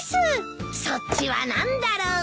そっちは何だろう。